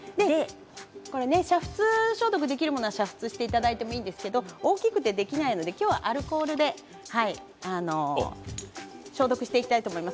煮沸消毒できるものは煮沸していただいていいんですけれども今日は大きくて、できないのでアルコールで消毒していきたいと思います。